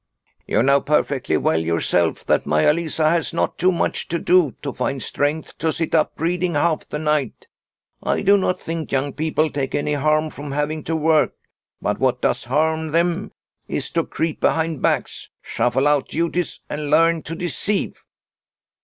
" You know perfectly well yourself that Maia Lisa has not too much to do to find strength to sit up reading half the night. I do not think young people take any harm from having to work, but what does harm them is to creep behind backs, shuffle out of duties, and learn to deceive."